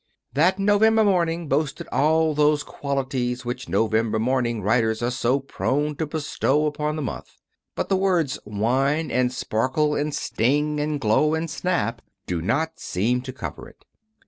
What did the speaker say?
That November morning boasted all those qualities which November morning writers are so prone to bestow upon the month. But the words wine, and sparkle, and sting, and glow, and snap do not seem to cover it.